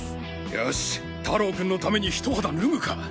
よし太郎君のためにひと肌脱ぐか！